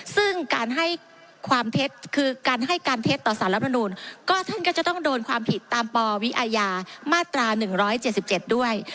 ซึ่งการให้การเท็จต่อสารรัฐมนูลก็ท่านก็จะต้องโดนความผิดตามปวิอมาตรา๑๗๗ด้วย